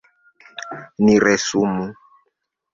Ni resumu.